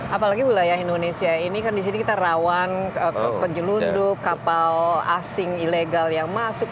apalagi wilayah indonesia ini kan di sini kita rawan penjelundup kapal asing ilegal yang masuk